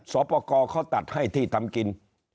สวปกรเขาตัดให้ที่ทำกิน